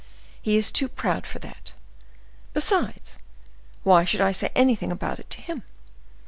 He is too proud for that. Besides, why should I say anything about it to him?